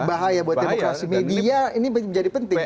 bahaya buat demokrasi media ini menjadi penting